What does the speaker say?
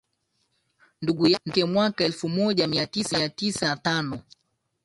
ndugu yake mwaka elfumoja miatisa hamsini na tano